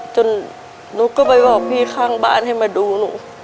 หนูก็ไปบอกพี่ข้างบ้านให้มาดูหนู